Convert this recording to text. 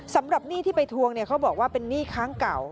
สำหรับหนี้ที่ไปทวงเขาบอกว่าเป็นหนี้ค้างเก่า